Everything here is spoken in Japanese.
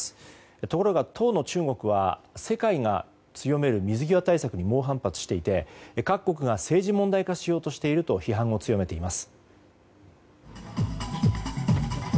ところが、当の中国は世界が強める水際対策に猛反発していて各国が政治問題化しようとしていると批判を強めています。